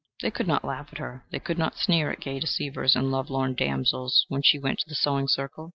They could not laugh at her: they could not sneer at gay deceivers and lovelorn damsels when she went to the sewing circle.